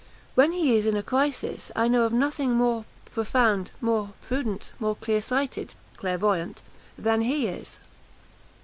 When he is in a crisis, I know of nothing more profound, more prudent, more clearsighted (clairvoyant) than he is."